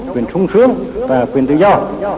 quyền sung sướng và quyền tự do